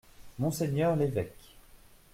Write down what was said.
Monseigneur l’évêque.